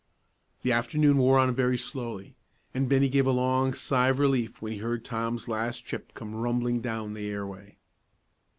The afternoon wore on very slowly, and Bennie gave a long sigh of relief when he heard Tom's last trip come rumbling down the airway.